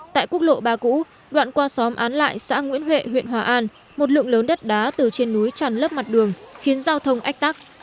tại quốc lộ ba cũ đoạn qua xóm án lại xã nguyễn huệ huyện hòa an một lượng lớn đất đá từ trên núi tràn lấp mặt đường khiến giao thông ách tắc